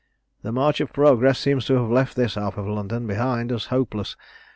"The march of progress seems to have left this half of London behind as hopeless.